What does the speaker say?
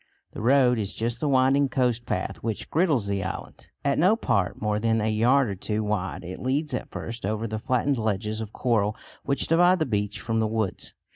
The road is just the winding coast path which girdles the island. At no part more than a yard or two wide, it leads at first over the flattened ledges of coral which divide the beach from the woods.